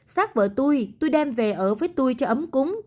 sát vợ tôi tôi đem về ở với tôi cho ấm cúng